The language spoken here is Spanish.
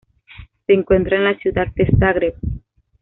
Se encuentra en la ciudad de Zagreb.